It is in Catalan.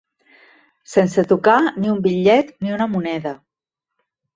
Sense tocar ni un bitllet ni una moneda.